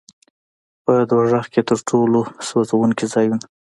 په دوزخ کې تر ټولو سوځوونکي ځایونه.